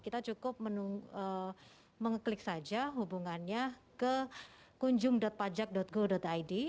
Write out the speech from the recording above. kita cukup mengeklik saja hubungannya ke kunjung pajak go id